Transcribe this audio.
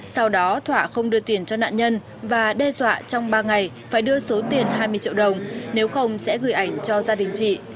sau đó thỏa không đưa tiền cho nạn nhân và đe dọa trong ba ngày phải đưa số tiền hai mươi triệu đồng nếu không sẽ gửi ảnh cho gia đình chị